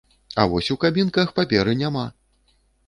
А вось у кабінках паперы няма!